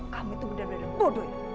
kamu tuh benar benar bodoh ya